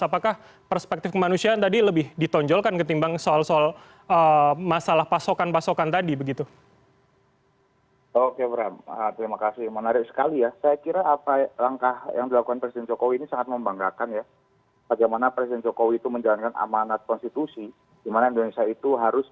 apakah perspektif kemanusiaan tadi lebih ditonjolkan ketimbang soal soal masalah pasokan pasokan tadi begitu